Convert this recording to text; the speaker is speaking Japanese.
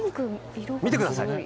見てください。